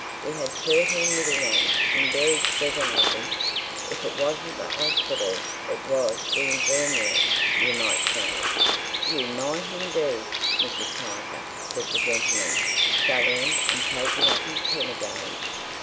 We had thirteen little ones and buried seven of them. If it wasn't the 'ospital it was the infirmary, you might say!" "You might, indeed, Mrs. Parker!" said the gentleman, shuddering, and taking up his pen again.